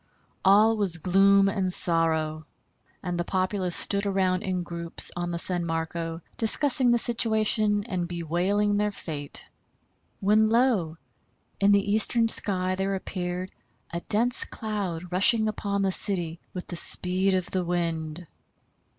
All was gloom and sorrow, and the populace stood around in groups on the San Marco discussing the situation and bewailing their fate, when lo! in the eastern sky there appeared a dense cloud rushing upon the city with the speed of the wind.